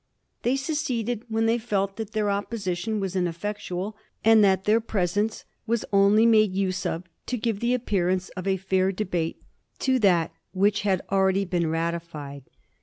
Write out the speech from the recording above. They seceded when they felt that their opposition was ineffectual, and that their pres ence was only made use of to give the appearance of a fair debate to that which had already been ratified.